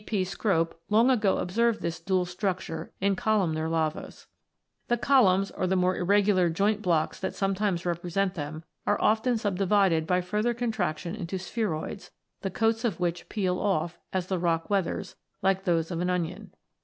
G. P. Scropeces) long ago observed this dual structure in columnar lavas. The columns, or the more irregular joint blocks that sometimes represent them, are often subdivided by further contraction into spheroids, the coats of which peel off, as the rock weathers, like those of an onion.